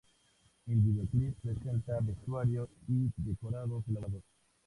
El videoclip presenta vestuario y decorados elaborados.